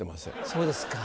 そうですか。